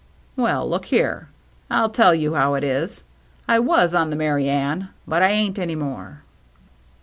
" Well, look here ; I'll tell you how it is. I was on the Merry Anne^ but I ain't any more."